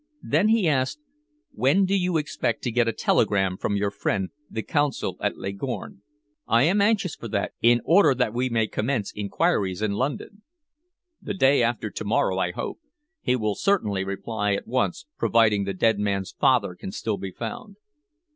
Then he asked: "When do you expect to get a telegram from your friend, the Consul at Leghorn? I am anxious for that, in order that we may commence inquiries in London." "The day after to morrow, I hope. He will certainly reply at once, providing the dead man's father can still be found."